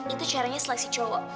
itu caranya seleksi cowok